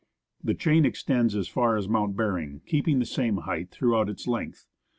The chain extends as far as Mount Behring, keeping the same height throughout its length.